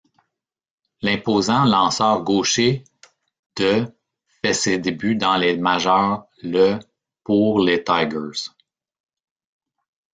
L'imposant lanceur gaucher de fait ses débuts dans les majeures le pour les Tigers.